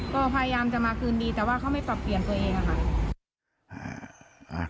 ก็พยายามจะมาคืนดีแต่ว่าเขาไม่ปรับเปลี่ยนตัวเองค่ะ